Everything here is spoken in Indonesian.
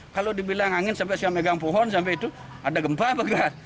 kalau dibilang angin sampai saya megang pohon sampai itu ada gempa begas